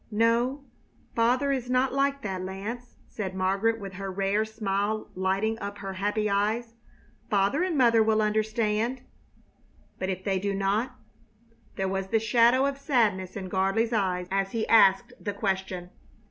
"No, father is not like that, Lance," said Margaret, with her rare smile lighting up her happy eyes. "Father and mother will understand." "But if they should not?" There was the shadow of sadness in Gardley's eyes as he asked the question.